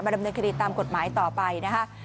ดำเนินคดีตามกฎหมายต่อไปนะคะ